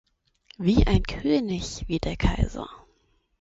Wie ein König, wie der Kaiser!